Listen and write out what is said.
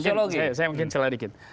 saya mungkin celah dikit